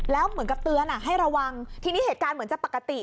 แล้วเหมือนกับเตือนให้ระวังทีนี้เหตุการณ์เหมือนจะปกติ